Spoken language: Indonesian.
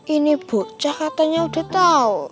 ini bucah katanya udah tau